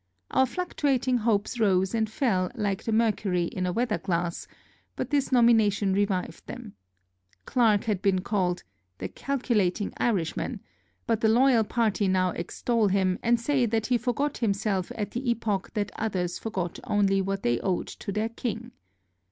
Our fluctuating hopes rose and fell Hke the mer cury in a weather glass, but this nomination revived them. Clarke had been called ^^the calculating Irish man,^' but the loyal party now extol him, and say that 359 FRANCE he forgot himself at the epoch that others forgot only what they owed to their king.